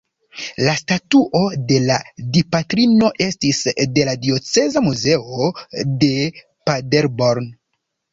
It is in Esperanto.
La statuo de la Dipatrino estis de la dioceza muzeo de Paderborn.